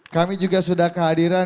kami juga sudah kehadiran